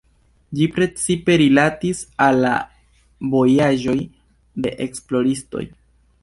Ĝi precipe rilatis al la vojaĝoj de esploristoj.